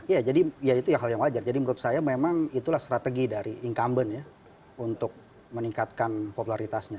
ya jadi ya itu hal yang wajar jadi menurut saya memang itulah strategi dari incumbent ya untuk meningkatkan popularitasnya